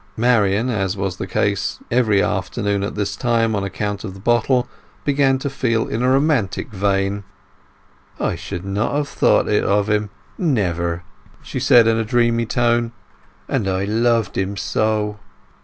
Marian, as was the case every afternoon at this time on account of the bottle, began to feel in a romantic vein. "I should not have thought it of him—never!" she said in a dreamy tone. "And I loved him so!